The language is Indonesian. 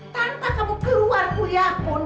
tanpa kamu keluar mulia pun